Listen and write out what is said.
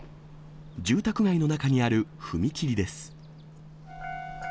住宅街の中にある踏切です。